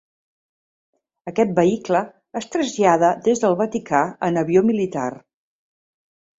Aquest vehicle es trasllada des del Vaticà en avió militar.